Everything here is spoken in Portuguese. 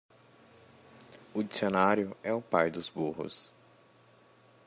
O dicionário é o pai dos burros?